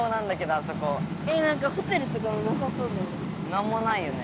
なんもないよね。